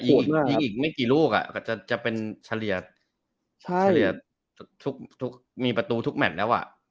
อีกไม่กี่ลูกก็จะเป็นเฉลี่ยทุกมีประตูทุกแมทแล้ว